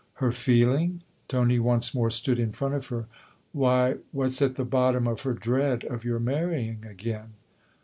" Her feeling ?" Tony once more stood in front of her. " Why, what's at the bottom of her dread of your marrying again."